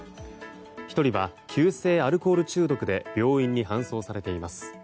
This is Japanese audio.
１人は急性アルコール中毒で病院に搬送されています。